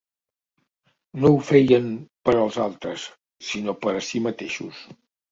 No ho feien per als altres, sinó per a si mateixos.